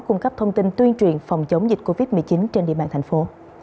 cung cấp thông tin tuyên truyền phòng chống dịch covid một mươi chín trên địa bàn thành phố